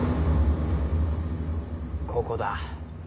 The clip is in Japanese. ここだ。